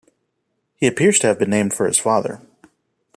He appears to have been named for his father.